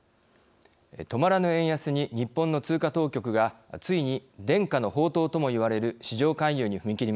止まらぬ円安に日本の通貨当局がついに伝家の宝刀ともいわれる市場介入に踏み切りました。